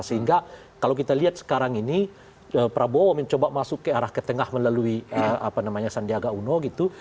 sehingga kalau kita lihat sekarang ini prabowo mencoba masuk ke arah ke tengah melalui apa namanya sandiaga uno gitu